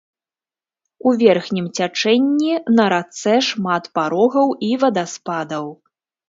У верхнім цячэнні на рацэ шмат парогаў і вадаспадаў.